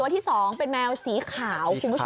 ที่๒เป็นแมวสีขาวคุณผู้ชม